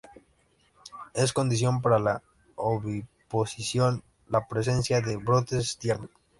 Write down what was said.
Es condición para la oviposición la presencia de brotes tiernos.